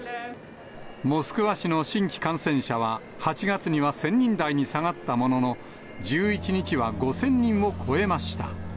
モスクワ市の新規感染者は、８月には１０００人台に下がったものの、１１日は５０００人を超えました。